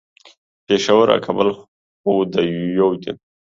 پیښور او کابل خود یو دي